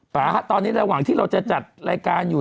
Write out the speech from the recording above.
ป่าฮะตอนนี้ระหว่างที่เราจะจัดรายการอยู่